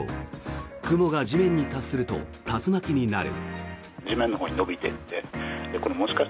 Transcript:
雲が地面に達すると竜巻になる。